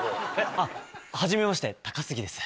あっはじめまして高杉です。